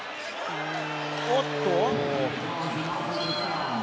おっと？